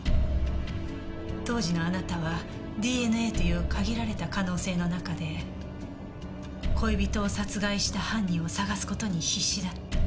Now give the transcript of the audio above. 当時のあなたはＤＮＡという限られた可能性の中で恋人を殺害した犯人を捜す事に必死だった。